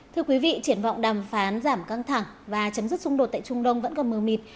thưa quý vị triển vọng đàm phán giảm căng thẳng và chấm dứt xung đột tại trung đông vẫn còn mờ mịt